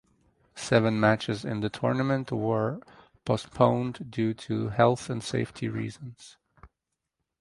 Seven matches in the tournament were postponed due to health and safety reasons.